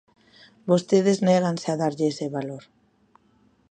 Vostedes néganse a darlle ese valor.